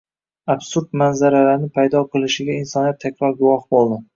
absurd manzaralarni paydo qilishiga insoniyat takror guvoh bo‘ldi.